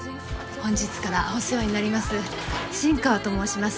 本日からお世話になります新川と申します。